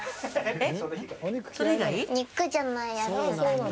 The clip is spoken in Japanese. えっ？